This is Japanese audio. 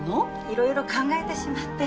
いろいろ考えてしまって。